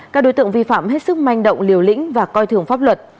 các đối tượng vi phạm hết sức manh động liều lĩnh và coi thường pháp luật